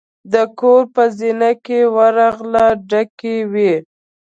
د کور په زینه کې ورغله ډکې وې.